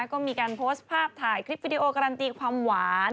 ก็มีการโพสต์ภาพถ่ายคลิปวิดีโอการันตีความหวาน